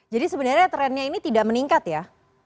jadi sebenarnya trennya ini tidak meningkat ya